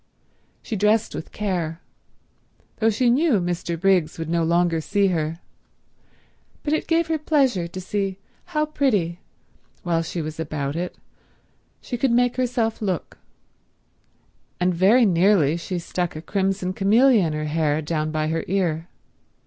She dressed with care, though she knew Mr. Briggs would no longer see her, but it gave her pleasure to see how pretty, while she was about it, she could make herself look; and very nearly she stuck a crimson camellia in her hair down by her ear.